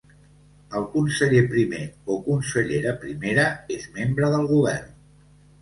El conseller primer o consellera primera és membre del Govern.